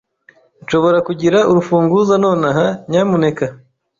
Nshobora kugira urufunguzo nonaha, nyamuneka?